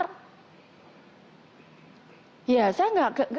sekarang saya juga enggak pingin dibilang surabaya besar